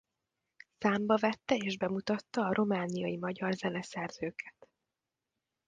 Számba vette és bemutatta a romániai magyar zeneszerzőket.